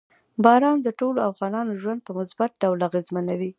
باران د ټولو افغانانو ژوند په مثبت ډول اغېزمنوي.